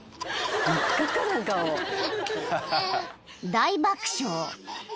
［大爆笑］